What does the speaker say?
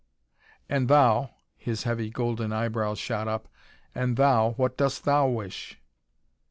And thou" his heavy, golden eyebrows shot up "and thou, what dost thou wish?"